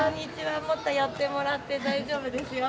もっと寄ってもらって大丈夫ですよ。